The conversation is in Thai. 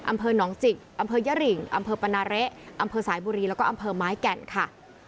อำเภอหนองจิกอำเภอยริงอำเภอปนาเละอำเภอสายบุรีแล้วก็อำเภอไม้แก่นค่ะ